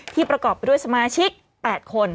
ประกอบไปด้วยสมาชิก๘คน